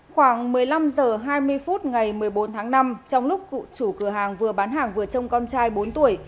khoảng một mươi năm h hai mươi phút ngày một mươi bốn tháng năm trong lúc chủ cửa hàng vừa bán hàng vừa trông con trai bốn tuổi